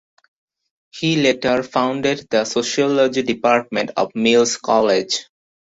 She later founded the sociology department of Mills College.